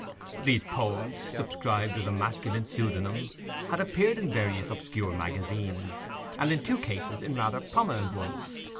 These poems, subscribed with a masculine pseudonym, had appeared in various obscure magazines, and in two cases in rather prominent ones.